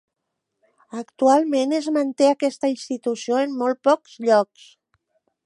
Actualment es manté aquesta institució en molt pocs llocs.